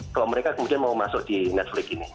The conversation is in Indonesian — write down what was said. kalau mereka kemudian mau masuk di netflix ini